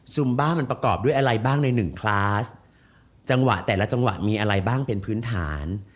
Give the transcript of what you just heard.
บ้ามันประกอบด้วยอะไรบ้างในหนึ่งคลาสจังหวะแต่ละจังหวะมีอะไรบ้างเป็นพื้นฐาน